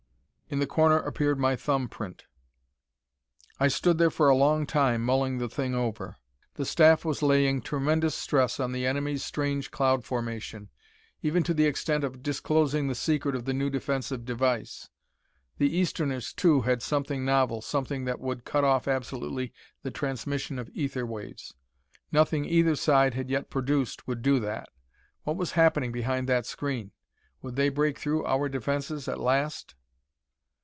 In the corner appeared my thumb print. I stood there for a long time, mulling the thing over. The Staff was laying tremendous stress on the enemy's strange cloud formation, even to the extent of disclosing the secret of the new defensive device. The Easterners, too, had something novel, something that would cut off absolutely the transmission of ether waves. Nothing either side had yet produced would do that. What was happening behind that screen? Would they break through our defenses at last?